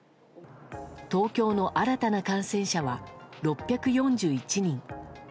東京の新たな感染者は６４１人。